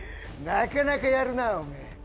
なかなかやるなおめえ！